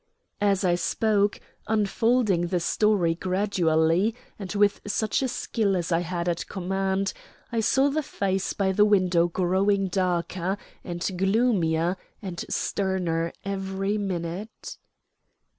As I spoke, unfolding the story gradually and with such skill as I had at command, I saw the face by the window growing darker and gloomier and sterner every minute.